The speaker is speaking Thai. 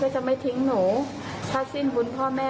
ใช่ค่ะ